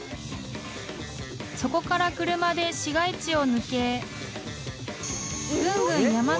［そこから車で市街地を抜け］